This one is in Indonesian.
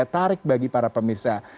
tarik bagi para pemirsa